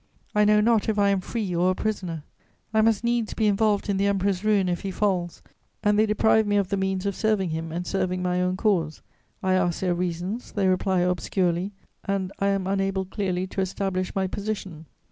I know not if I am free or a prisoner. I must needs be involved in the Emperor's ruin if he falls, and they deprive me of the means of serving him and serving my own cause. I ask their reasons; they reply obscurely and I am unable clearly to establish my position.